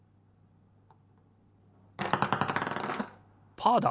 パーだ！